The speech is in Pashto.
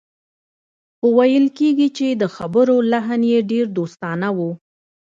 خو ویل کېږي چې د خبرو لحن یې ډېر دوستانه و